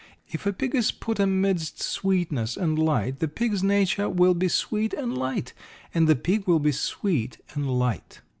If a pig is put amidst sweetness and light, the pig's nature will be sweet and light, and the pig will be sweet and light."